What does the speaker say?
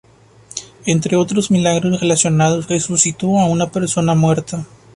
Entre otros milagros relacionados, resucitó a una persona muerta.